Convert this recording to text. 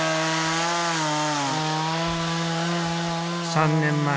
３年前。